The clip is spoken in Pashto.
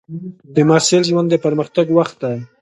د محصل ژوند د پرمختګ وخت دی.